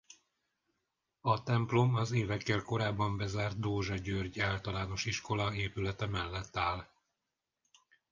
A templom az évekkel korábban bezárt Dózsa György Általános Iskola épülete mellett áll.